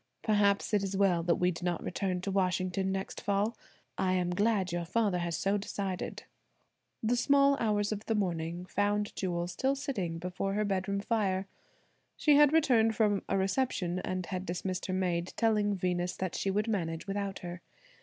"Perhaps it is well that we do not return to Washington next fall. I am glad your father has so decided." The small hours of the morning found Jewel still sitting before her bedroom fire. She had returned from a reception, and had dismissed her maid, telling Venus that she would manage without her.